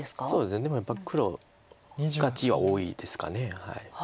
でもやっぱり黒が地は多いですか。